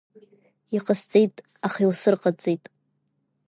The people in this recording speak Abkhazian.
Иҟасҵеит, аха илсырҟаҵеит.